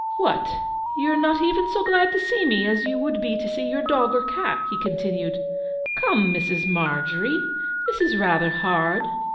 'What, you are not even so glad to see me as you would be to see your dog or cat?' he continued. 'Come, Mis'ess Margery, this is rather hard.